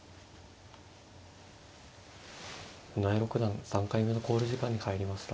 船江六段３回目の考慮時間に入りました。